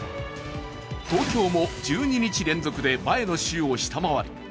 東京も１２日連続で前の週を下回り